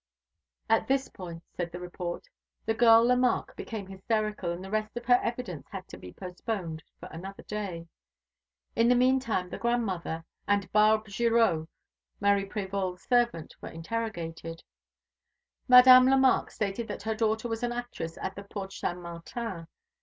At this point, said the report, the girl Lemarque became hysterical, and the rest of her evidence had to be postponed for another day. In the mean time the grandmother, and Barbe Girot, Marie Prévol's servant, were interrogated. Madame Lemarque stated that her daughter was an actress at the Porte Saint Martin.